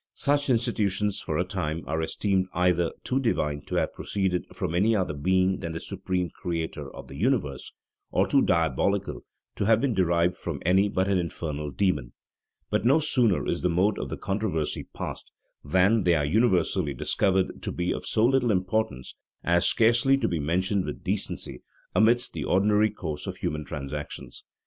Such institutions, for a time, are esteemed either too divine to have proceeded from any other being than the Supreme Creator of the universe, or too diabolical to have been derived from any but an infernal demon. But no sooner is the mode of the controversy past, than they are universally discovered to be of so little importance, as scarcely to be mentioned with decency amidst the ordinary course of human transactions.